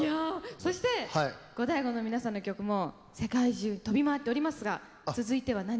そしてゴダイゴの皆さんの曲も世界中飛び回っておりますが続いては何を？